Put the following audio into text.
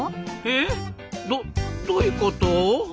どどういうこと？